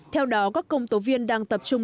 theo đó các công tố viên đang tập trung